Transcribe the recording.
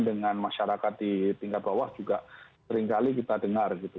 dengan masyarakat di tingkat bawah juga seringkali kita dengar gitu